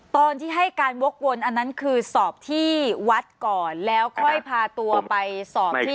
ตอนที่ให้การวกวนอันนั้นคือสอบที่วัดก่อนแล้วค่อยพาตัวไปสอบที่